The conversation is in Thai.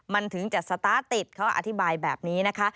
มันถึงจะสตาร์ทติดเขาอธิบายแบบนี้นะคะ